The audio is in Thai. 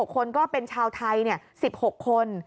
๖คนก็เป็นชาวไทย๑๖คน